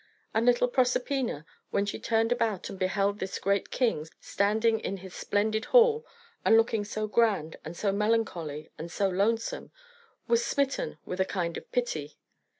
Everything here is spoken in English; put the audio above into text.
And little Proserpina, when she turned about and beheld this great king standing in his splendid hall, and looking so grand, and so melancholy, and so lonesome, was smitten with a kind of pity.